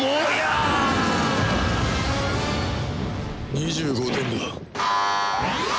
２５点だ。